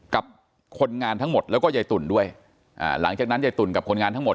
กับคนงานทั้งหมดแล้วก็ยายตุ๋นด้วยอ่าหลังจากนั้นยายตุ๋นกับคนงานทั้งหมด